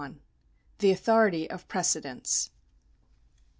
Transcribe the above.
The Authority of Precedents.